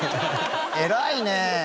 偉いね。